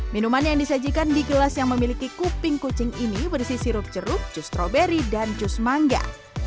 minuman yang disajikan di gelas yang memiliki kuping kucing ini berisi sirup jeruk jus stroberi dan jus mangga